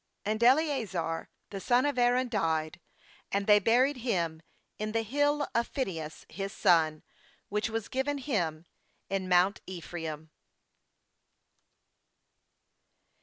33And Eleazar the son of Aaron died; and they buried him in the Hill of Phinehas his son, which was given him in mount Ephraim.